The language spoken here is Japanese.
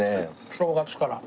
正月から。